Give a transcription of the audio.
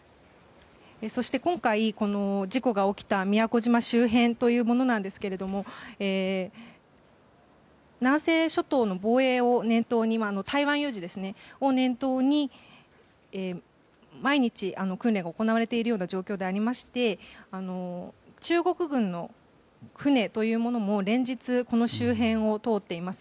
そして今回、事故が起きた宮古島周辺ですが南西諸島の防衛を念頭に台湾有事を念頭に毎日、訓練が行われているような状況でありまして中国軍の船というものも連日この周辺を通っています。